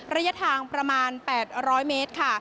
ระยะทางประมาณ๘๐๐เมตรค่ะ